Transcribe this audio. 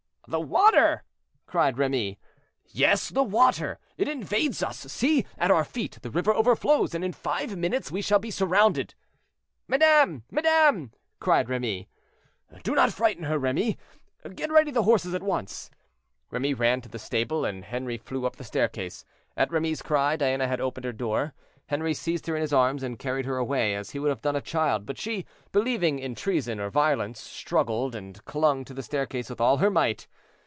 "The water!" cried Remy. "Yes, the water! it invades us; see, at our feet, the river overflows, and in five minutes we shall be surrounded." "Madame! madame!" cried Remy. "Do not frighten her, Remy; get ready the horses at once." Remy ran to the stable, and Henri flew up the staircase. At Remy's cry Diana had opened her door; Henri seized her in his arms and carried her away as he would have done a child. But she, believing in treason or violence, struggled, and clung to the staircase with all her might.